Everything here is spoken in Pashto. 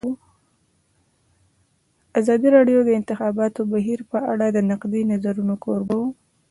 ازادي راډیو د د انتخاباتو بهیر په اړه د نقدي نظرونو کوربه وه.